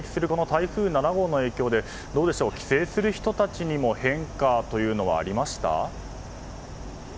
台風７号の影響で帰省する人たちのも変化はありました？